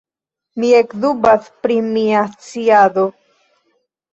Mi ekdubas pri mia sciado.